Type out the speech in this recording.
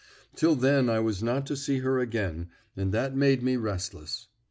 Till then I was not to see her again, and that made me restless.